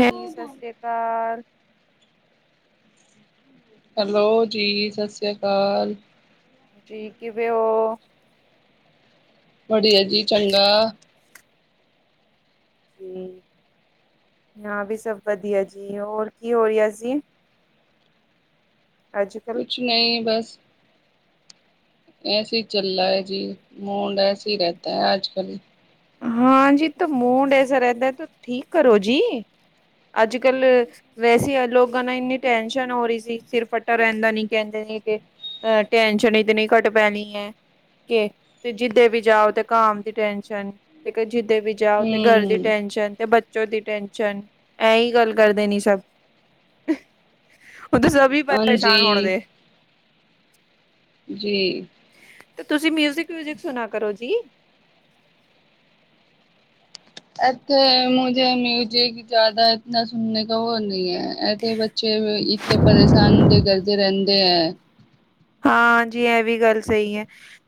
ਹੈਜੀ ਸਾਸਰੀਆ ਕਾਲ। ਹੈਲੋ ਜੀ, ਸਾਸਰੀਆ ਕਾਲ। ਜੀ ਕਿਵੇ ਓ? ਬੜੀਆ ਜੀ, ਚੰਗਾ। ਹੂੰ, ਨਾ ਵੀ ਸਭ ਵਧੀਆ ਜੀ। ਹੋਰ ਕੀ ਹੋ ਰਿਹਾ ਸੀ? ਅੱਜ-ਕੱਲ੍ਹ ਕੁਛ ਨਹੀਂ ਬਸ ਐਸੇ ਈ ਚੱਲਾ ਐ ਜੀ, ਮੂਡ ਐਸੇ ਈ ਰਹਿਤਾ ਆਜ-ਕੱਲ੍ਹ। ਹਾਂਜੀ ਤਾਂ ਮੂੰਡ ਐਸਾ ਰਹਿਤਾ ਤੋ ਠੀਕ ਕਰੋ ਜੀ। ਅੱਜ-ਕੱਲ੍ਹ ਵੈਸੇ ਈ ਏਹ ਲੋਗਾਂ ਨਾ ਇੰਨੀ ਟੈਸ਼ਨ ਹੋ ਰਹੀ ਸੀ। ਸਿਰ ਫੱਟਾ ਰਹਿੰਦਾ, ਨੀ ਕਹਿੰਦੇ ਨੀ ਕੇ ਅ ਟੈਨਸ਼ਨ ਇਤਨੀ ਘੱਟ ਪੈਣੀਂ ਐ। ਕੇ ਤੇ ਜਿੱਦੇ ਵੀ ਜਾਓ ਤੇ ਕਾਮ ਦੀ ਟੈਨਸ਼ਨ ਇੱਕ ਏ ਜਿੱਦੇ ਵੀ ਜਾਓ ਤੇ ਗਰ ਦੀ ਹਮ ਟੈਨਸ਼ਨ ਤੇ ਬ ਤੇ ਉਹਦੀ ਟੈਸ਼ਨ। ਐ ਈ ਗੱਲ ਕਰਦੇ ਨੀ ਸਭ। ਉਹ ਤਾਂ ਸਭ ਵੀ ਹਾਂਜੀ ਪਰੇਸ਼ਾਨ ਹੋਣ ਦੇ ਜੀ ਤੇ ਤੁਸੀਂ ਮਿਊਜਿਕ-ਵਿਊਜਿਕ ਸੁਣਾ ਕਰੋ ਜੀ। ਐਥੇ ਮੁਝੇ ਮਿਊਜਿਕ ਜ਼ਿਆਦਾ ਇਤਨਾ ਸੁਣਨੇ ਕਾ ਵੋ ਨਹੀ ਐ। ੲੈਥੇ ਬੱਚੇ, ਇੱਕ ਤੋ ਪਰੇਸ਼ਾਨ ਦੇ ਕਰਦੇ ਰਹਿੰਦੇ ਐ। ਹਾਂਜੀ, ਐਹ ਵੀ ਗੱਲ ਸਹੀ ਐ।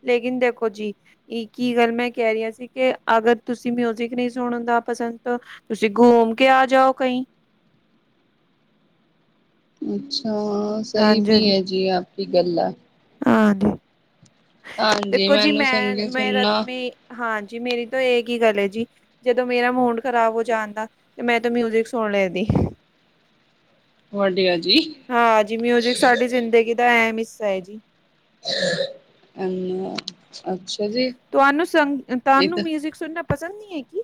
ਲੇਕਿਨ ਦੇਖੋ ਜੀ ਇੱਕ ਈ ਗੱਲ ਮੈਂ ਕਹਿ ਰਿਆ ਸੀ, ਕਿ ਅਗਰ ਤੁਸੀਂ ਮਿਊਜ਼ਿਕ ਨਹੀਂ ਸੁਣਦਾ ਪਸੰਦ ਤੋ ਤੁਸੀਂ ਗੂਮ ਕੇ ਆ ਜਾਓ, ਕ‌ਈ। ਅੱਛਾ, ਸਹੀ ਹਾਂਜੀ ਵੀ ਹਾਂਜੀ ਐ ਜੀ ਆਪ ਕੀ ਗੱਲਾ। ਹਾਂਜੀ ਹਾਂਜੀ ਦੇਖੋ ਜੀ ਮੈਨੂੰ ਮੈਂ ਸੰਗੀਤ ਮੇਰਾ ਤੇ ਸੁਣਨਾ ਮੇ ਹਾਂਜੀ ਮੇਰੀ ਤੋਂ ਏਕ ਹੀ ਗੱਲ ਹੈ ਜੀ। ਜਦੋਂ ਮੇਰਾ ਮੂਡ ਖ਼ਰਾਬ ਹੋ ਜਾਂਦਾ ਤੇ ਮੈਂ ਤਾ ਮਿਊਜਿਕ ਸੁਣ ਲੈਂਦੀ। ਵਧੀਆ ਜੀ ਹਾਂ ਜੀ ਮਿਊਜਿਕ ਸਾਡੀ ਜ਼ਿੰਦਗੀ ਦਾ ਅਹਿਮ ਹਿੱਸਾ ਹੈ ਜੀ। ਹਾਂਜੀ ਹਾ। ਅੱਛਾ ਜੀ। ਤੁਹਾਨੂੰ ਸੰ ਇਹ ਤੁਹਾਨੂੰ ਤਾਂ ਮਿਊਜਿਕ ਸੁਣਨਾ ਪਸੰਦ ਨੀ ਹੈ ਕਿ।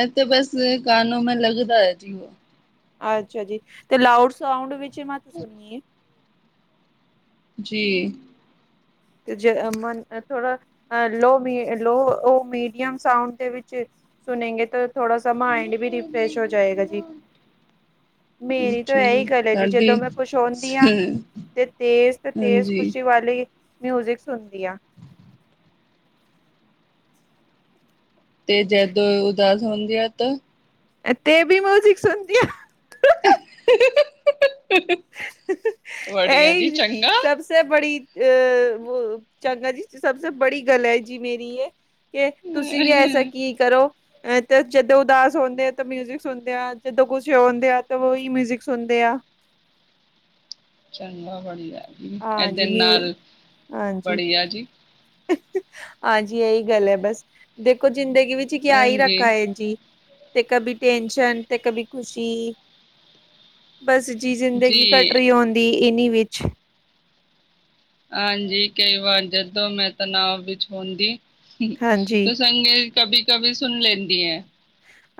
ਇਹ ਤਾਂ ਬਸ ਕਾਨੋ ਮੈਂ ਲੱਗਦਾ ਹੈ ਜੀ। ਅੱਛਾ ਜੀ ਤੇ ਲਾਊਡ ਸਾਊਂਡ ਵਿੱਚ ਮਤ ਸੁਣੀਏ। ਜੀ। ਥੋੜਾ ਅ ਲੋ ਲੋ ਉਹ ਮੀਡੀਅਮ ਸਾਊਂਡ ਦੇ ਵਿੱਚ ਸੁਨਗੇਂ ਤੋ ਥੋੜਾ ਸਾ ਮਾਈੰਡ ਵੀ ਰਿਫਰੈਸ਼ ਹੋ ਜਾਏਗਾ ਜੀ। ਮੇਰੀ ਤਾਂ ਅੱਛਾ ਇਹੀ ਗੱਲ ਹੈ ਜੀ ਸਾਡੀ ਜਦੋਂ ਮੈਂ ਕੁਛ ਆਉੁਦੀ ਹਾਂ। ਤੇ ਤੇਜ਼ ਤੇ ਤੇਜ਼ ਹਾਂਜੀ ਖ਼ੁਸ਼ੀ ਵਾਲੀ ਮਿਊਜਿਕ ਸੁਣਦੀ ਆ। ਤੇ ਜਦ ਉਦਾਸ ਹੁੰਦੀ ਹੈ ਤੋ ਤੇ ਵੀ ਮਿਊਜਿਕ ਸੁਣਦੀ ਹਾਂ। ਵੜੀਆਂ ਜੀ ਚੰਗਾ। ਸ ਬੜੀ ਅਹ ਚੰਗਾ ਜੀ ਸਬਸੇ ਬੜੀ ਗੱਲ ਹੈ ਜੀ ਮੇਰੀ ਇਹ ਕਿ ਤੁਸੀਂ ਵੀ ਐਸਾ ਕੀ ਕਰੋ ਅ ਤੇ ਜਦੋਂ ਉਦਾਸ ਆਉਂਦੇ ਆ ਤਾਂ ਮਿਊਜਿਕ ਸੁਣਦੇ ਆ ਜਦੋਂ ਖੁਛ ਆਉਂਦੇ ਆ ਤਾਂ ਉਹੀ ਮਿਊਜਿਕ ਸੁਣਦੇ ਆ। ਚੰਗਾ ਬੜੀਆ ਜੀ ਏਦੇ ਹਾਂਜੀ ਮਿਊ ਨਾਲ ਹਾਂਜੀ ਬੜੀਆ ਜੀ। ਹਾਂਜੀ ਇਹੀ ਗੱਲ ਹੈ ਬਸ ਦੇਖੋ ਜ਼ਿੰਦਗੀ ਵਿੱਚ ਚ ਕਿਆ ਹੀ ਹਾਂਜੀ ਰੱਖਾ ਹੈ ਜੀ ਤੇ ਕਬੀ ਟੈਂਨਸ਼ਨ ਤੇ ਕਬੀ ਖੁਸ਼ੀ ਬਸ ਜੀ ਜ਼ਿੰਦਗੀ ਘੱਟ ਜੀ ਰਹੀ ਆਉਂਦੀ ਇਨੀ ਵਿੱਚ ਹਾਂਜੀ ਕਈ ਵਾਰ ਜਦੋਂ ਮੈਂ ਤਣਾਵ ਵਿੱਚ ਹੁੰਦੀ ਹਾਂਜੀ ਤ ਸੰਗੀ ਕਬੀ, ਕਬੀ ਸੁਣ ਲੈਂਦੀ ਹੈ।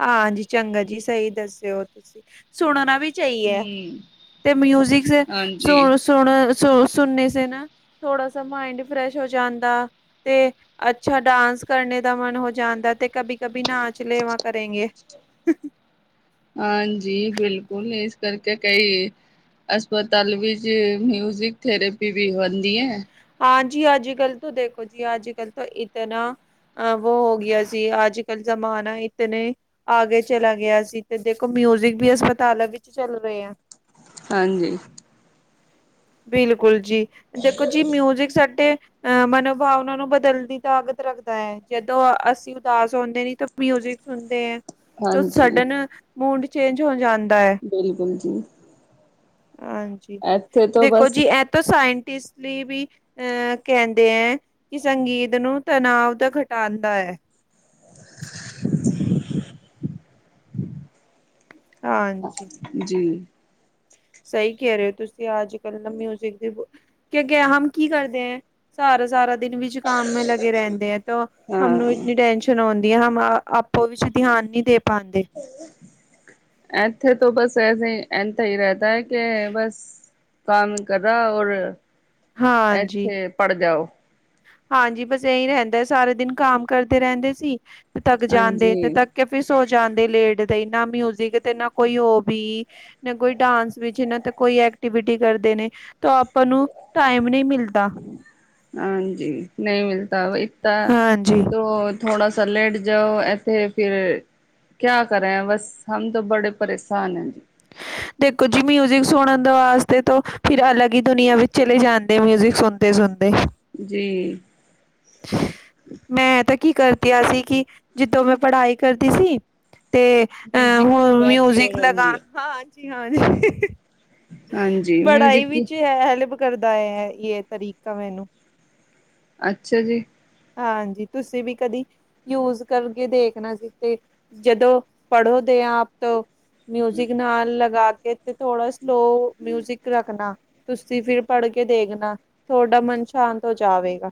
ਹਾਂਜੀ ਚੰਗਾ ਜੀ ਸਹੀ ਦੱਸਿਓ ਤੁਸੀਂ। ਸੁਣਨਾ ਵੀ ਚਾਹੀਏ ਹਮ ਤੇ ਮਿਊਜਿਕ ਹਾਂਜੀ ਸੁ ਸੁਣ ਸੁਣਨੇ ਸ ਨਾ ਥੋੜਾ ਸ ਮਾਇੰਡ ਫਰੈਸ਼ ਹੋ ਜਾਂਦਾ। ਤੇ ਅੱਛਾ ਡਾਂਸ ਕਰਨੇ ਦਾ ਮਨ ਹੋ ਜਾਂਦਾ ਤੇ ਕਭੀ ਕਭੀ ਨਾ ਚਲੇਵਾਂ ਕਰੇਗੇ। ਹਾਂਜੀ ਬਿਲਕੁਲ ਇਸ ਕਰਕੇ ਕਈ ਹਸਪਤਾਲ ਵਿੱਚ ਮਿਊਜਿਕ ਥੇਰੇਪੀ ਵੀ ਬਣਦੀ ਹੈ। ਹਾਂਜੀ ਅੱਜ ਕੱਲ੍ਹ ਤੋਂ ਦੇਖੋ ਜੀ ਅੱਜ ਕੱਲ ਤਾਂ ਇਤਨਾ ਆਹੋ ਹੋ ਗਿਆ ਸੀ ਅੱਜ ਕੱਲ ਜ਼ਮਾਨਾ ਇਤ ਨੇ ਆਗੇ ਚਲਾ ਗਿਆ ਸੀ ਤੇ ਦੇਖੋ ਮਿਊਜਿਕ ਵੀ ਹਸਪਤਾਲਾਂ ਵਿੱਚ ਚੱਲ ਰਹੇ ਆ। ਹਾਂਜੀ। ਬਿਲਕੁਲ ਜੀ ਦੇਖੋ ਜੀ ਮਿਊਜਿਕ ਸਾਡੇ ਅਹ ਮਨੋਭਾਵਨਾ ਨੂੰ ਬਦਲ ਦੀ ਤਾਕਤ ਰੱਖਦਾ ਹੈ ਜਦੋਂ ਅਸੀਂ ਉਦਾਸ ਹੁੰਦੇ ਨੇ ਤਾਂ ਮਿਊਜਿਕ ਸੁਣਦੇ ਆ। ਤੇ ਹਾਂਜੀ ਸਾਡਾ ਨਾ ਮੂਡ ਚੇਂਜ ਹੋ ਜਾਂਦਾ ਹੈ। ਬਿਲਕੁਲ ਜੀ। ਹਾਂਜੀ ਇੱਥੇ ਤੋਂ ਦੇਖੋ ਬਸ ਜੀ ਇਹ ਤਾਂ ਸਾਇੰਟਿਸਟ ਲਈ ਵੀ ਅਹ ਕਹਿੰਦੇ ਹੈ ਕਿ ਸੰਗੀਤ ਨੂੰ ਤਨਾਵ ਦਾ ਘਟਾਉਂਦਾ ਹੈ। [inaudible] ਹਾਂਜੀ ਜੀ। ਸਈ ਕੈ ਰੇਓ ਤੁਸੀ, ਅੱਜ ਕੱਲ ਨਾ ਮਿਊਜਿਕ ਦੀ ਕੇ ਅੱਗੇ ਹਮ ਕੀ ਕਰਦੇ ਐ, ਸਾਰਾ-ਸਾਰਾ ਦਿਨ ਵਿੱਚ? ਕਮ ਮੇ ਲਗੇ ਰੈਂਦੇ ਐ, ਤੋਂ ਹਮ ਨੂੰ ਹਾਂ। ਇਤਨੀ ਟੈਂਸ਼ਨ ਹੁੰਦੀ ਏ, ਹਮ ਆਪੋ ਵਿੱਚ ਧਿਆਨ ਨਹੀਂ ਦੇ ਪਾਂਦੇ। ਇੱਥੇ ਤੋਂ ਬਸ ਏਸੇ ਏਂਨ ਥਾਂ ਈ ਰੈਤਾ ਕੇ ਬਸ ਕਾਮ ਕਰਾ ਔਰ ਹਾਂਜੀ। ਹਾਂਜੀ, ਬਸ ਇਹੀ ਰੈਹਦੈਂ ਸਾਰੇ ਦਿਨ ਕਾਮ ਕਰਦੇ ਰੈਂਦੇ ਸੀ ਤੇ ਤੱਕ ਜਾਂਦੇ ਤੇ ਹਾਂਜੀ। ਤੱਕ ਕਿ ਫੇਰ ਸੋ ਜਾਂਦੇ ਲੇਟਦੇਈ, ਨਾ ਮਿਊਜਿਕ ਤੇ ਨਾ ਕੋਈ ਓਵੀ ਨਾ ਕੋਈ ਡਾਂਸ ਵਿੱਚ ਨਾ ਤੇ ਕੋਈ ਐਕਟੀਵਿਟੀ ਕਰਦੇ ਨੇ, ਤਾਂ ਆਪਾਂ ਨੂੰ ਟਾਈਮ ਨਈਂ ਮਿਲਦਾ। ਹਾਂਜੀ, ਨਈਂ ਮਿਲਤਾ ਹਾਂਜੀ ਤੋ ਥੋੜਾ ਸਾ ਲੇਟ ਜਾਓ, ਇੱਥੇ ਫੇਰ ਕਯਾ ਕਰੈਂ ਬਸ, ਹਮ ਤੋਂ ਬੜੇ ਪਰੇਸਾਨ ਐ। ਦੇਖੋ ਜੀ ਮਿਊਜਿਕ ਸੁਣਨ ਦੇ ਵਾਸਤੇ ਤੋ ਫਿਰ ਅਲਗ ਈ ਦੁਨੀਆਂ ਵਿੱਚ ਚਲੇ ਜਾਂਦੇ ਮਿਊਜਿਕ ਸੁਣ ਤੇ ਸੁਨਦੇ ਜੀ। ਮੈਂ ਤਾਂ ਕੀ ਕਰਦੀਆਂ ਸੀ, ਕਿ ਜਿੱਦੋਂ ਮੈਂ ਪੜਾਈ ਕਰਦੀ ਸੀ ਤੇ ਅਹ ਮਿਊਜ਼ਿਕ ਦੀ ਹੁਣ ਬਾਤ ਈ ਹੀ ਹੋਰ ਮਿਊਜ਼ਿਕ ਲਗਾ ਹੁਨਦੀ ਐ। [unintelligible] ਪੜ੍ਹਾਈ ਵਿੱਚ ਐ ਹੈਲਪ ਕਰਦਾ ਐ, ਯੇ ਤਰੀਕਾ ਮੈਨੂੰ। ਅੱਛਾ ਜੀ। ਹਾਂਜੀ, ਤੁਸੀਂ ਵੀ ਕਦੀ ਯੂਜ ਕਰਗੇ ਦੇਖਣਾ ਸੀ ਤੇ ਜਦੋਂ ਪੜ੍ਹੋ ਦੇ ਆ ਆਪ ਤੋਂ ਮਿਊਜਿਕ ਨਾਲ ਲਗਾ ਕੇ ਤੇ ਥੋੜਾ ਸਲੋ ਮਿਊਜਿਕ ਰੱਖਣਾ। ਤੁਸੀਂ ਫਿਰ ਪੜ੍ਹ ਕੇ ਦੇਖਨਾ ਤੋਡਾ ਮਨ ਸ਼ਾਂਤ ਹੋ ਜਾਵੇਗਾ।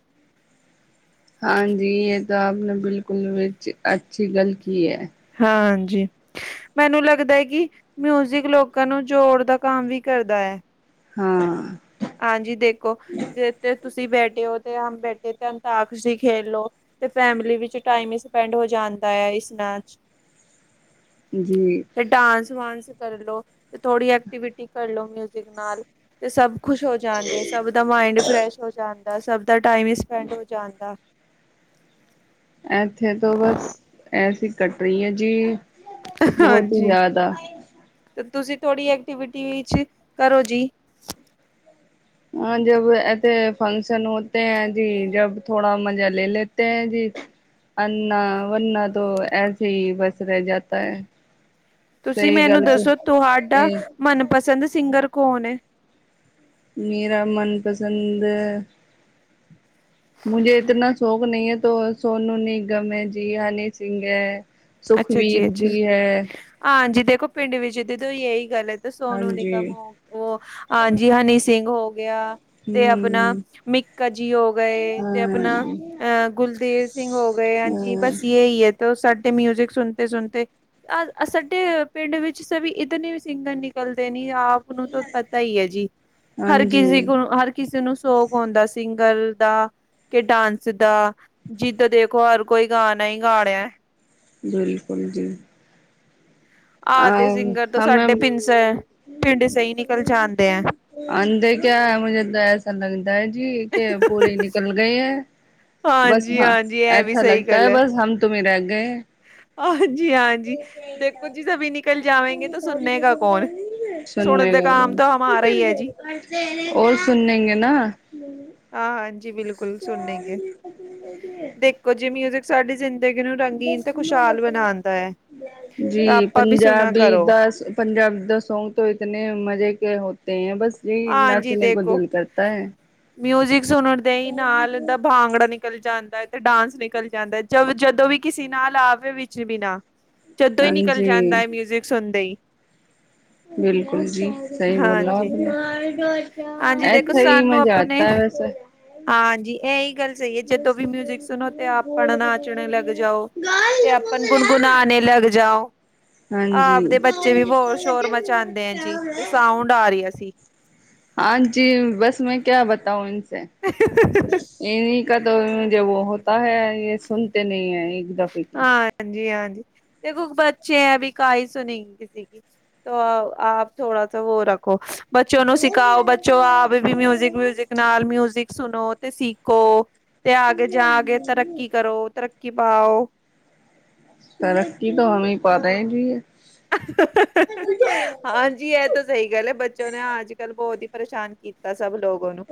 ਹਾਂਜੀ, ਏ ਤਾਂ ਆਪ ਨੇ ਬਿਲਕੁੱਲ ਵਿੱਚ ਅੱਛੀ ਗੱਲ ਕੀ ਐ। ਹਾਂਜੀ। ਮੈਨੂੰ ਲੱਗਦਾ ਐ ਕੀ ਮਿਊਜ਼ਿਕ ਲੋਕਾਂ ਨੂੰ ਜੋੜ ਦਾ ਕੰਮ ਵੀ ਕਰਦਾ ਐ। ਹਾਂ। ਹਾਂਜੀ, ਦੇਖੋ ਜੇ ਤੇ ਤੁਸੀਂ ਬੈਠੇ ਹੋ ਤੇ ਹਮ ਬੈਠੇ ਤੇ ਅੰਤਾਕਸੀ ਖੇਲ ਲੋ। ਤੇ ਫੈਮਲੀ ਵਿੱਚ ਟਾਈਮ ਈ ਸਪੈਂਡ ਹੋ ਜਾਂਦਾ ਐ ਇਸ ਨਾਲ। ਜੀ। ਤੇ ਡਾਂਸ ਵਾਂਸ ਕਰਲੋ, ਤੇ ਥੋੜੀ ਐਕਟੀਵਿਟੀ ਕਰਲੋ ਮਿਊਜਿਕ ਨਾਲ ਤੇ ਸਭ ਖੁਸ਼ ਹੋ ਜਾਂਦੇ। ਸਭ ਦਾ ਮਾਇੰਡ ਫਰੈਸ਼ ਹੋ ਜਾਂਦਾ, ਸਭ ਦਾ ਟਾਈਮ ਸਪੈਂਡ ਹੋ ਜਾਂਦਾ। ਇੱਥੇ ਤੋਂ, ਬਸ ਐਸੀ ਕਟ ਰੀ ਐ ਜੀ। ਹਾਂਜੀ, ਤੇ ਤੁਸੀਂ ਥੋੜ੍ਹੀ ਐਕਟੀਵਿਟੀ ਵਿੱਚ ਕਰੋ ਜੀ। ਹਾਂ, ਜਬ ਐਥੇ ਫੰਕਸ਼ਨ ਹੋਤੇ ਹੈ ਜੀ ਜਬ ਥੋੜਾ ਮਜ਼ਾ ਲੇ ਲੇਤੇ ਹੈ ਜੀ। ਅੰਨਾ ਵਰਨਾ ਤੋਂ ਐਸੇ ਈ ਬਸ ਰੈ ਜਾਤਾ ਐ। ਤੁਸੀਂ ਮੈਨੂੰ ਦੱਸੋ ਤੁਹਾਡਾ ਮਨਪਸੰਦ ਸਿੰਗਰ ਕੌਣ ਏ? ਮੇਰਾ ਮਨਪਸੰਦ ਮੁਝੇ ਇਤਨਾ ਸ਼ੌਕ ਨਈ ਐ ਤੋ ਸੋਨੂ ਨਿਗਮ ਐ ਜੀ, ਹਨੀ ਸਿੰਘ ਐ। ਸੁਖਵੀਰ ਜੀ ਹੈ। ਹਾਂਜੀ ਦੇਖੋ, ਪਿੰਡ ਵਿੱਚ ਦੀਦੇ ਯੇਈ ਗੱਲ ਐ ਤੇ ਸੋਨੂੰ ਹਾਂਜੀ ਨਿਗਮ ਵੋ ਹਾਂਜੀ ਹਨੀ ਸਿੰਘ ਹੋ ਗਿਆ। ਤੇ ਹਮ ਆਪਣਾ ਮਿੱਕਾ ਜੀ ਹੋ ਗਏ ਤੇ ਹਾਂ ਆਪਣਾ ਅ ਗੁਲਦੇਵ ਸਿੰਘ ਹੋ ਗਏ ਹਾਂਜੀ ਹਾਂ ਬਸ ਯੇ ਈ ਤੋ ਸਾਡੇ ਮਿਊਜਿਕ ਸੁਣਤੇ-ਸੁਣਤੇ ਅ ਸਾਡੇ ਪਿੰਡ ਵਿੱਚ ਸਭ ਇੱਤਨੇ ਸਿੰਗਰ ਨਿਕਲਦੇ ਨੀ ਆਪ ਤੁਹਾਨੂੰ ਤੈ ਪਤਾ ਈ ਐ ਜੀ, ਹਰ ਹਾਂਜੀ ਕਿਸੀ ਕੋਲ ਹਰ ਕਿਸੇ ਨੂੰ ਸ਼ੌਕ ਹੁੰਦਾ ਸਿੰਗਰ ਦਾ, ਕੇ ਡਾਂਸ ਦਾ। ਜਿੱਦ ਦੇਖੋ ਹਰ ਕੋਈ ਗਾਣਾ ਈ ਗਾ ਰਿਆ। ਬਿਲਕੁੱਲ ਜੀ। ਆਦੇ ਅ ਸਿੰਗਰ ਤੋਂ ਸਾਡੇ ਹਮੇ ਪਿੰਨ ਸੈਂ ਪਿੰਡ ਸੇ ਈ ਨਿਕਲ ਜਾਂਦੇ ਐ। ਅੰਧੇ ਕਿਆ ਮੁਝੇ ਤਾਂ ਐਸਾ ਲਗਦਾ ਐ ਜੀ ਕੇ ਪੂਰੀ ਨਿਕਲ ਗਏ ਐ। ਬਸ ਹਾਂ ਹਾਂਜੀ-ਹਾਂਜੀ ਇਹ ਵੀ ਐਥਾ ਸਹੀ ਲਗਤਾ ਐ ਗੱਲ ਹੈ ਬਸ ਹਮ ਤੁਮੇ ਈ ਰਿਹ ਗੇ। [inaudible] ਹਾਂਜੀ-ਹਾਂਜੀ। ਦੇਖੋ ਜੀ ਸਭੀ ਨਿਕਲ ਜਾਵੇਂਗੇ ਤੋ ਸੁਣਨੇ ਕਾ ਕੌਣ ਸੁਣਦੇ ਕਾ ਹਮ ਤਾਂ ਹਮਾਰਾ ਹੀ ਹੈ ਜੀ। [unintelligible] ਓ ਸੁਣੇ ਗੇ ਨਾ ਹਾਂ ਹਾਂਜੀ ਬਿਲਕੁੱਲ ਸੁਣੇ ਗੇ, ਦੇਖੋ ਜੀ ਮਿਊਜਿਕ ਸਾਡੀ ਜ਼ਿੰ ਹੈ। ਤਾਂ ਜੀ ਆਪਾਂ ਵੀ ਸੁਣਾ ਪੰਜਾਬੀ ਦੀ ਕਰੋ ਬਸ ਪੰਜਾਬੀ ਦਾ ਸੌਂਗ ਤੋਂ ਇਤਨੇ ਮਜ਼ੇ ਕੇ ਹੋਤੇ ਹੈ ਬਸ ਆਂਜੀ ਦੇਖੋ ਮਿਊਜਿਕ ਸੁਣਨ ਦੇ ਈ ਨਾਲ ਦਾ ਭਾਂਗੜਾ ਨ ਨਿਕਲ ਜਾਂਦਾ ਤੇ ਡਾਂਸ ਨਿਕਲ ਜਾਂਦਾ ਜਬ ਜਦੋਂ ਵੀ ਕਿਸੇ ਨਾਲ ਆਵੇ ਵਿੱਚ ਵੀਨਾਂ। ਜਦੋਂ ਈ ਨਿਕਲ ਜਾਂਦਾ ਐ ਮਿਊਜਿਕ ਸੁਣਦੇ ਈ। ਬਿਲਕੁੱਲ ਜੀ ਸਈ ਬੋਲ ਆਪ ਹਾਂਜੀ। ਨੇ, ਹਾਂਜੀ ਐਥੇ ਈ ਮਜ਼ਾ ਆਤਾ ਵ ਸੇ ਆਜੀ ਏ ਈ ਗੱਲ ਸਈ ਐ ਜਦੋਂ ਵੀ ਮਿਊਜਿਕ ਸੁਣੋ ਤੇ ਆਪਾਂ ਨਾਚਣੇ ਲੱਗ ਜਾਓ ਤੇ ਆਪਣ ਗੁਨ ਗੁਣਾਣੇ ਲੱਗ ਜਾਓ। ਆਪ ਹਾਂਜੀ। ਦੇ ਬੱਚੇ ਵੀ ਬੋਰ ਸ਼ੋਰ ਮਚਾਉਂਦੇ ਐ ਜੀ ਤੇ ਸਾਊਂ ਢਾਰ ਲਿਆ ਸੀ। ਹਾਂਜੀ ਬਸ ਮੈਂ ਕਿਆ ਬਤਾਊ ਇਨਸੇ [inaudible] ਇੰਹੀ ਕਾ ਤੋ ਜੇ ਉਹ ਹੋਤਾ ਹੈ ਯਹ ਸੁਨ ਤੇ ਨੀ ਹੈ ਇੱਕ ਦਫ਼ ਹਾਂਜੀ ਹਾਂਜੀ ਦੇਖੋ ਬੱਚੇ ਐ ਵੀ ਕਾਈ ਸੁਣੀ ਗੇ ਕਿਸੇ ਕੀ ਆਪ ਥੋੜਾ ਸਾ ਵੋ ਰੱਖੋ, ਬੱਚੋ ਨੂੰ ਸਿਖਾਓ ਬੱਚੋ ਆਪ ਵੀ ਮਿਊਜ਼ਿਕ-ਵਿਊਜਿਕ ਨਾਲ ਮਿਊਜਿਕ ਸੁਣੋ ਤੇ ਸਿੱਖੋ ਤੇ ਆਗੇ ਜਾ ਕੇ ਤਰੱਕੀ ਕਰੋ ਤਰੀ ਕੀ ਪਾਓ। ਤਰੱਕੀ ਤੋ ਉਮੇ ਈ ਪਾਦੇ ਜੀ ਯੇ। ਹਾਂਜੀ ਇਹ ਤਾਂ ਸਹੀ ਗੱਲ ਐ ਬਚੋਂ ਨੇ ਅੱ- ਕੱਲ੍ਹ ਬਹੁਤ ਹੀ ਪਰੇਸ਼ਾਨ ਕੀਤਾ ਸਭ ਲੋਗੋ ਨੂੰ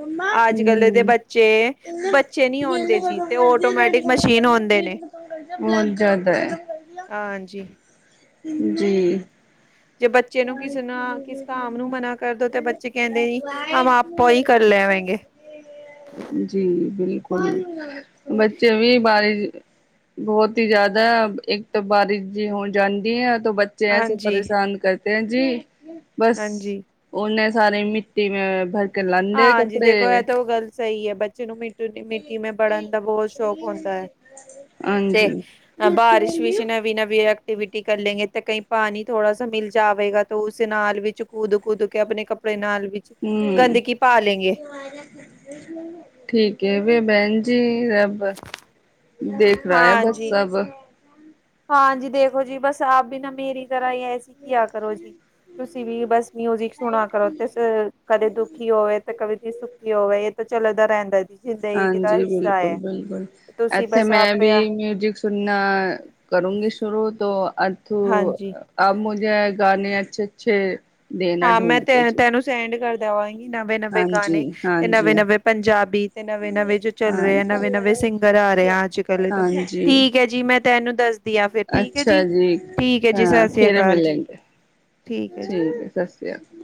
ਅੱਜ-ਕੱਲ ਦੇ ਬੱਚੇ-ਬੱਚੇ ਨੀ ਹੁੰਦੇ ਜੀਏ ਆਟੋਮੈਟਿਕ ਮਸ਼ੀਨ ਹੁੰਦੇ ਨੇ। ਬੋਤ ਜਿਆਦਾ ਐ। ਆਜੀ ਜੀ ਜੇ ਬੱਚੇ ਨੂੰ ਕੀ ਸੁਣਾਓ ਕੀ ਇਸ ਕਾਮ ਨੂੰ ਮਨਾ ਕਰਦੋ ਤੇ ਬੱਚੇ ਕਹਿੰਦੇ ਨੀ ਹਮ ਆਪੇ ਹੀ ਕਰ ਲੈਵੇਂਗੇ ਜੀ ਬਿਲਕੁਲ, ਬੱਚੇ ਵੀ ਬਾਰ ਬੋਤ ਈ ਜ਼ਿਆਦਾ ਏਕ ਤੋ ਬਾਰਿਸ਼ ਜੀ ਹੋ ਜਾਂਦੀ ਐ ਤੋ ਬਚ ਬੱਚੇ ਐਸੇ ਹਾਂਜੀ ਪਰੇਸ਼ਾਨ ਕਰਤੇ ਐ ਜੀ ਬਸ ਹਾਂਜੀ ਉਨੇ ਸਾਰੇ ਮਿੱਟੀ ਮੈ ਬ ਹਾਂਜੀ ਦੇਖੋ ਇਹ ਤਾਂ ਉਹ ਗੱਲ ਸਹੀ ਹੈ ਬੱਚੇ ਨੂੰ ਮ ਮਿੱਟੀ ਮੈਂ ਬੜਨ ਦਵੋ ਸ਼ੌਕ ਹੁੰਦਾ ਹੈ ਤੇ ਹਾਂਜੀ ਅ ਬਾਰਿਸ਼ ਵਿੱਸ਼ ਨਵੀਂ ਨਵੀਂ ਐਕਟੀਵਿਟੀ ਕਰ ਲੈਂਗੇ ਤਾਂ ਕਈ ਪਾਣੀ ਥੋੜ੍ਹਾ ਸ ਮਿਲ ਜਾਵੇਗਾ ਤਾਂ ਉਸ ਨਾਲ ਵਿੱਚ ਕੂਦ ਕੂਦ ਕੇ ਆਪਣੇ ਕਪੜੇ ਆਪਣੇ ਨਾਲ ਵਿੱਚ ਹੂੰ ਗੰਦਗੀ ਪਾ ਲੈਂਗੇ ਠੀਕ ਹੈ ਵੀ ਭੈਣ ਜੀ ਰਬ ਦੇਖ ਰਿਹਾ ਹੈ ਬਸ ਸਭ ਹਾਂਜੀ ਦੇਖੋ ਜੀ ਬਸ ਆਪ ਵੀ ਨਾ ਮੇਰੀ ਤਰ੍ਹਾਂ ਹੀ ਐਸੀ ਕੀ ਆ ਕਰੋ ਜੀ ਤੁਸੀਂ ਵੀ ਬਸ ਮਿਊਜਿਕ ਸੁਣਾ ਕਰੋ ਤੇ ਕਦੇ ਦੁਖੀ ਹੋਵੇ ਤੇ ਕਦੇ ਸੁਖੀ ਹੋਵੇ ਇਹ ਤਾਂ ਚੱਲਦਾ ਰਹਿੰਦਾ ਜੀ ਜ਼ਿੰਦਗੀ ਦਾ ਹਾਂਜੀ ਹਿੱਸਾ ਬਿਲਕੁਲ ਹੈ ਬਿਲਕੁਲ ਤੁਸੀਂ ਇੱਥੇ ਬਸ ਮੈਂ ਆਪ ਵੀ ਹਾਂਜੀ ਮਿਊਜਿਕ ਸੁਣਨਾ ਕਰੂੰਗੀ ਸ਼ੁਰੂ ਤੋਂ ਅਰਥੂ ਹਾਂ ਜੀ, ਅ ਮੁਝੇ ਗਾਣੇ ਅੱਛੇ ਅੱਛੇ ਦੇਣਾ ਹਾਂ ਮੈਂ ਢੂੰਢ ਤੇ ਕੇ ਜੀ ਤੈਨੂੰ ਸੈਂਡ ਕਰ ਦੇਵਾਂਗੀ ਨਵੇਂ ਨਵੇਂ ਹਾਂਜੀ ਗਾਣੇ ਤੇ ਹਾਂਜੀ ਨਵੇਂ ਨਵੇਂ ਪੰਜਾਬੀ ਤੇ ਨਵੇਂ ਨਵੇਂ ਜੋ ਚੱਲ ਰਹੇ ਆ ਨਵੇਂ ਨਵੇਂ ਸਿੰਗਰ ਆ ਰਹੇ ਹਾਂਜੀ ਆ ਅੱਜ ਕੱਲ ਹਾਂਜੀ ਠੀਕ ਹੈ ਜੀ ਮੈਂ ਤੈਨੂੰ ਦੱਸ ਅੱਛਾ ਜੀ ਜੀ ਹਾਂ ਸਤਿ ਸ੍ਰੀ ਫਿਰ ਅਕਾਲ ਜੀ ਮਿਲੇਂਗੇ ਹੈ ਜੀ ਠੀਕ ਐ ਸਤਿ ਸ੍ਰੀ ਅਕਾਲ